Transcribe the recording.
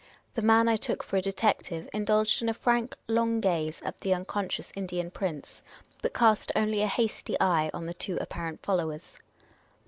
The man I took for a de tective indulged in a frank, long gaze at the unconscious Indian prince, but cast only a hasty eye on the two apparent followers.